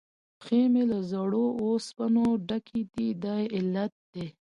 پښې مې له زړو اوسپنو ډکې دي، دا یې علت دی.